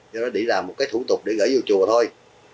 cho nó để làm một cái thủ tục để gửi vô chùa thôi